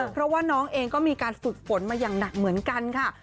เพราะว่าน้องเองก็มีการฝึกฝนมาอย่างหนักเหมือนกันค่ะ